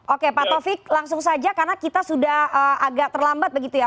oke pak taufik langsung saja karena kita sudah agak terlambat begitu ya